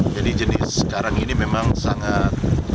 jadi jenis karang ini memang sangat